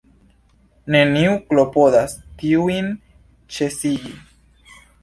Neniu klopodas tiujn ĉesigi.